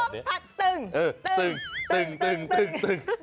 ลุกพักตึงตึง